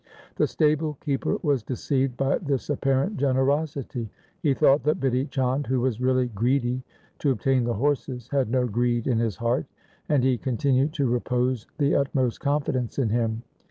The stable keeper was deceived by this apparent generosity. He thought that Bidhi Chand, who was really greedy to obtain the horses, had no greed in his heart, and he continued to repose the utmost confidence in him.